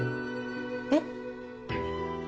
えっ？